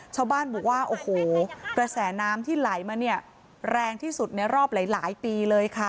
ชาวบ้านบอกว่าโอ้โหกระแสน้ำที่ไหลมาเนี่ยแรงที่สุดในรอบหลายปีเลยค่ะ